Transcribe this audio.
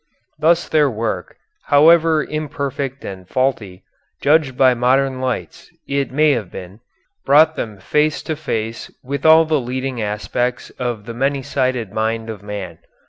Thus their work, however imperfect and faulty, judged by modern lights, it may have been, brought them face to face with all the leading aspects of the many sided mind of man.